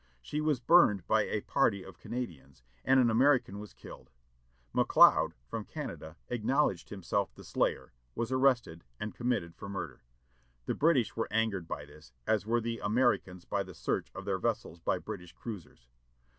She was burned by a party of Canadians, and an American was killed. McLeod, from Canada, acknowledged himself the slayer, was arrested, and committed for murder. The British were angered by this, as were the Americans by the search of their vessels by British cruisers.